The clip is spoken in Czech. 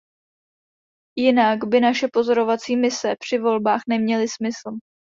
Jinak by naše pozorovací mise při volbách neměly smysl.